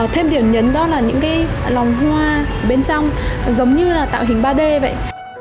thêm điểm nhấn đó là những cái lòng hoa bên trong giống như là tạo hình ba d vậy